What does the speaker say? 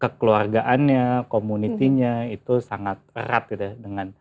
kekeluargaannya community nya itu sangat erat gitu ya